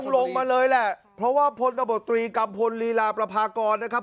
ต้องลงมาเลยแหละเพราะว่าพลตำบัตรีกำพลลีราปรภากรนะครับ